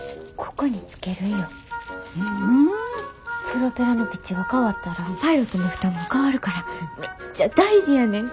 プロペラのピッチが変わったらパイロットの負担も変わるからめっちゃ大事やねん。